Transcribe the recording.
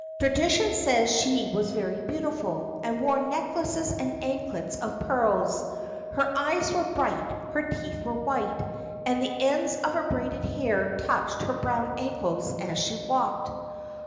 Tradition says she was very beautiful, and wore necklaces and anklets of pearls. Her eyes were bright, her teeth were white, and the ends of her braided hair touched her brown ankles as she walked.